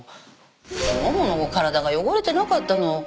モモの体が汚れてなかったの。